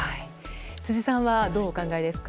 辻さんは、どうお考えですか？